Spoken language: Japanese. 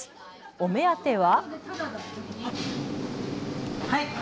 お目当ては。